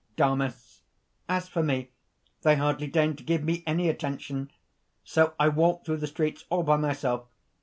DAMIS. "As for me, they hardly deigned to give me any attention! So I walked through the streets all by myself.